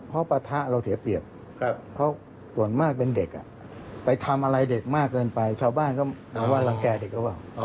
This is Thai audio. เพราะปะทะเราเสียเปรียบเค้าส่วนมากเป็นเด็กไปทำอะไรเด็กมากเกินไปเช้าบ้านก็หลังแก่เด็กก็ว่า